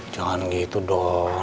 jangan gitu dong